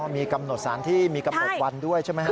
มีกำหนดสารที่มีกำหนดวันด้วยใช่ไหมครับ